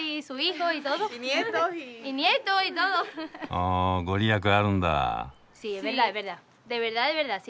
あ御利益あるんだ！